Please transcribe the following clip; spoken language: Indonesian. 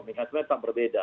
mika smeet tak berbeda